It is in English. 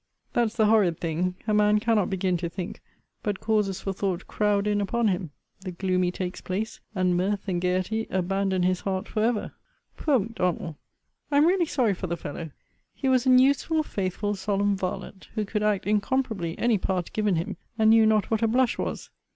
That's the horrid thing, a man cannot begin to think, but causes for thought crowd in upon him; the gloomy takes place, and mirth and gaiety abandon his heard for ever! Poor M'Donald! I am really sorry for the fellow. He was an useful, faithful, solemn varlet, who could act incomparably any part given him, and knew not what a blush was.